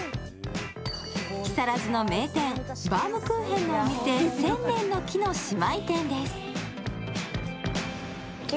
木更津の名店、バウムクーヘンのお店せんねんの木の姉妹店です。